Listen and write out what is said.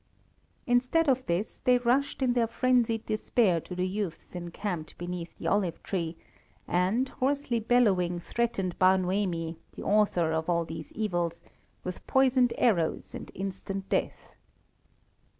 Instead of this, they rushed in their frenzied despair to the youths encamped beneath the olive tree, and, hoarsely bellowing, threatened Bar Noemi, the author of all these evils, with poisoned arrows and instant death.